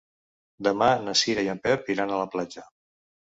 Demà na Cira i en Pep iran a la platja.